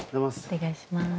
お願いします。